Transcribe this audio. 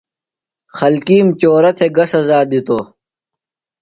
خلکِیم چورہ تھےۡ گہ سزا دِتوۡ؟